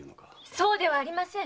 そうではありません！